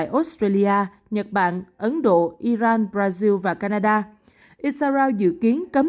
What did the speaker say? đã được áp dụng tại australia nhật bản ấn độ iran brazil và canada israel dự kiến cấm